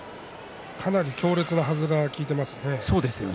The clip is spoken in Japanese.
かなり強烈なはずが効いていますよね。